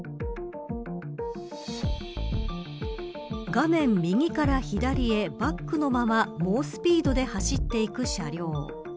画面右から左へバックのまま、猛スピードで走っていく車両。